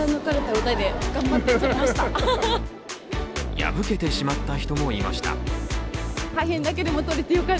破けてしまった人もいました。